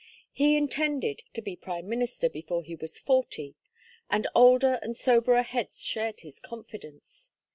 He intended to be prime minister before he was forty, and older and soberer heads shared his confidence.